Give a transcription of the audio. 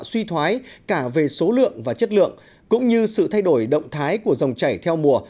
suy thoái cả về số lượng và chất lượng cũng như sự thay đổi động thái của dòng chảy theo mùa